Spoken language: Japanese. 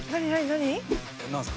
何すか？